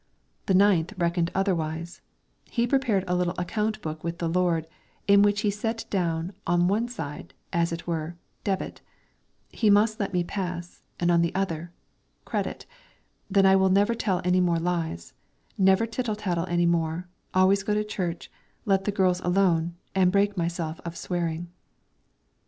The ninth reckoned otherwise: he prepared a little account book with the Lord, in which he set down on one side, as it were, "Debit:" he must let me pass, and on the other "Credit:" then I will never tell any more lies, never tittle tattle any more, always go to church, let the girls alone, and break myself of swearing.